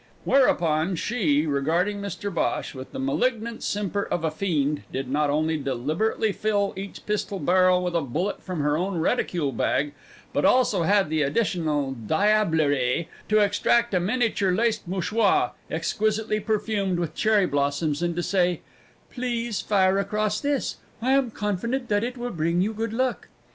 Whereupon she, regarding Mr Bhosh with the malignant simper of a fiend, did not only deliberately fill each pistol barrel with a bullet from her own reticule bag, but also had the additional diablerie to extract a miniature laced mouchoir exquisitely perfumed with cherry blossoms, and to say, "Please fire across this. I am confident that it will bring you good luck."